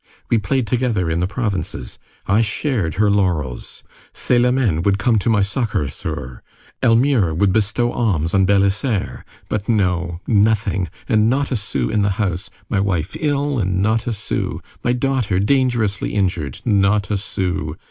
We played together in the provinces. I shared her laurels. Célimène would come to my succor, sir! Elmire would bestow alms on Bélisaire! But no, nothing! And not a sou in the house! My wife ill, and not a sou! My daughter dangerously injured, not a sou!